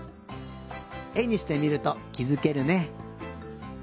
えにしてみるときづけるね。